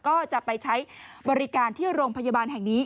ก็จะไปใช้บริการที่โรงพยาบาลแห่งนี้